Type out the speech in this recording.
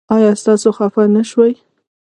ایا تاسو خفه نه شوئ؟